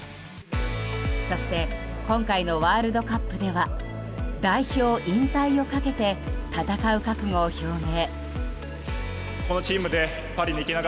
そして今回のワールドカップでは代表引退をかけて戦う覚悟を表明。